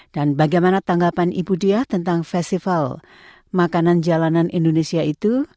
dan bagaimana tanggapan ibu diah tentang festival makanan jalanan indonesia itu